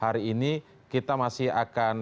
hari ini kita masih akan